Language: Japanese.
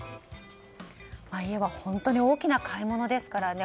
家は本当に大きな買い物ですからね。